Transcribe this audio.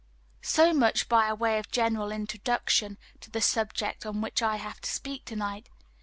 So much by way of general introduction to the subject on which I have to speak to night.